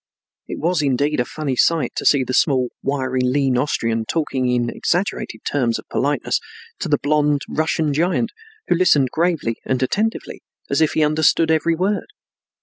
It was indeed a funny sight to see the small, wiry, lean Austrian talking in exaggerated terms of politeness to the blond Russian giant, who listened gravely and attentively, as if he understood every word.